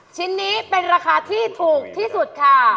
ชิ้นนี้เป็นราคาที่ถูกที่สุดค่ะ